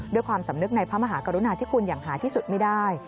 ด้วยความสำนึกในพระมหากรุณาที่คุณอย่างหาที่สุดไม่ได้